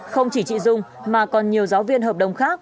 không chỉ chị dung mà còn nhiều giáo viên hợp đồng khác